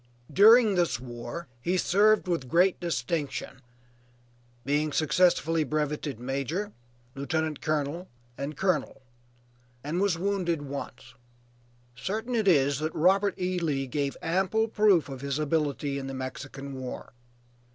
During this war he served with great distinction, being successively breveted major, lieutenant colonel and colonel, and was wounded once; certain it is that Robert E. Lee gave ample proof of his ability in the Mexican war.